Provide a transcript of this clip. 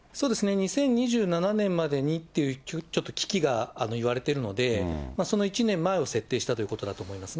２０２７年までにっていう、ちょっと危機が言われてるので、その１年前を設定したということだと思いますね。